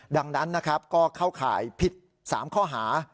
ดังนั้นนะครับก็เข้าข่ายผิด๓ข้อหา